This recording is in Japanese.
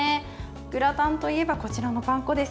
グラタンといえばこちらのパン粉です。